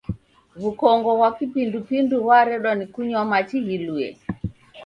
W'ukongo ghwa kipindupindu ghwaredwa ni kunywa machi ghilue.